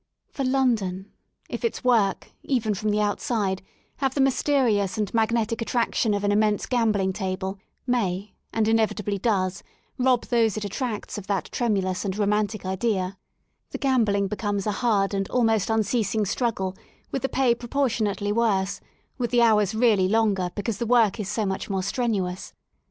For London^ if its work, even from the outside, have the mysterious and magnetic attraction of an immense gambHng table, may, and inevitably does, rob those it attracts of that tremulous and romantic idea The gambling becomes a hard and almost unceasing struggle, with the pay proportionately worse, with the hours really longer because the work is so much more strenuous.